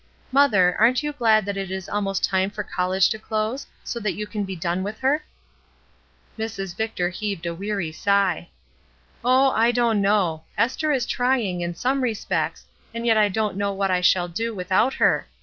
Mother, aren't you glad that it is almost time for college to close, so you can be done with her ?" Mrs. Victor heaved a weary sigh. ''Oh, I don't know. Esther is trying, in some respects, and yet I don't know what I shall do without her.